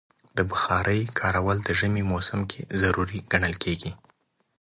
د بخارۍ کارول د ژمي موسم کې ضروری ګڼل کېږي.